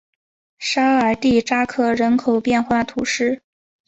沙尔蒂扎克人口变化图示